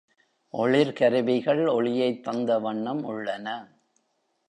ஒளிர் கருவிகள் ஒளியைத் தந்த வண்ணம் உள்ளன.